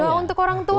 doa untuk orang tua